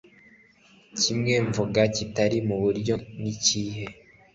kimwe mvuga kitari muri ibyo nikihe